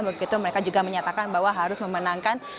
begitu mereka juga menyatakan bahwa harus memenangkan